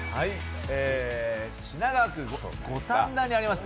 品川区五反田にあります